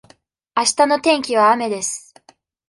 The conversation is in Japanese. あしたの天気は雨です。